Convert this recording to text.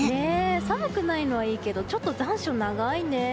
寒くないのはいいけどちょっと残暑、長いね。